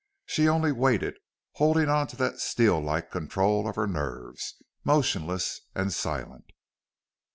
She only waited, holding on to that steel like control of her nerves, motionless and silent.